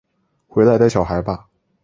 回来带小孩吧